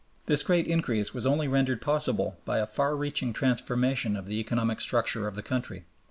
This great increase was only rendered possible by a far reaching transformation of the economic structure of the country.